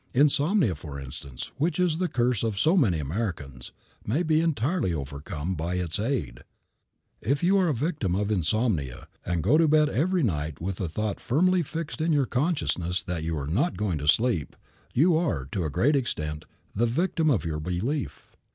Insomnia, for instance, which is the curse of so many Americans, may be entirely overcome by its aid. If you are a victim of insomnia, and go to bed every night with the thought firmly fixed in your consciousness that you are not going to sleep, you are, to a great extent, the victim of your belief.